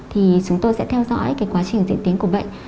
thì chúng tôi sẽ theo dõi quá trình diễn tiến của bệnh